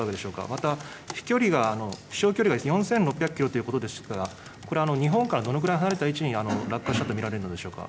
また飛距離が、飛しょう距離が４６００キロということでしたが、これ、日本からどれくらい離れた位置に落下したと見られるのでしょうか。